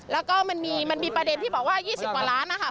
แล้วก็มันมีประเด็นที่บอกว่า๒๐กว่าล้านนะคะ